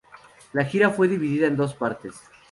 La gira fue dividida en dos partes.